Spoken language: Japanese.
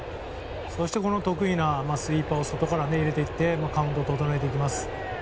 そして得意のスイーパーを外から入れていってカウントを整えていきます。